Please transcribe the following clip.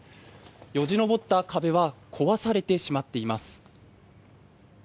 よじ登った壁は壊されてしまっています。